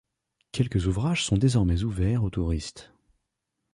Quelques ouvrages sont désormais ouverts aux touristes.